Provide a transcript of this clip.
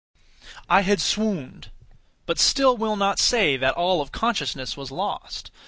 I had swooned; but still will not say that all of consciousness was lost.